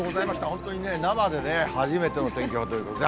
本当にね、生でね、初めての天気予報ということで。